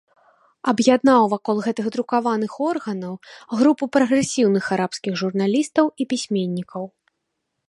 Аб'яднаў вакол гэтых друкаваных органаў групу прагрэсіўных арабскіх журналістаў і пісьменнікаў.